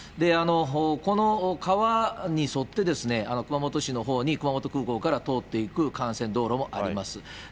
この川に沿ってですね、熊本市のほうに、熊本空港から通っていく幹線道路もあります。